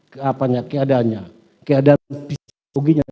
ke apa nya keadaannya